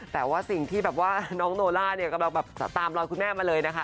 แต่สิ่งจะไม่ประมาณน้องโนลานี่็จะตามรอยคุณแม่มาเลยนะคะ